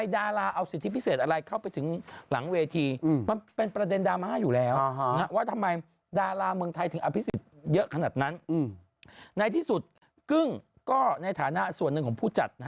ดาราเมืองไทยถึงอภิษฐ์เยอะขนาดนั้นในที่สุดกึ้งก็ในฐานะส่วนหนึ่งของผู้จัดนะ